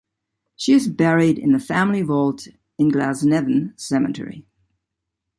She is buried in the family vault in Glasnevin Cemetery.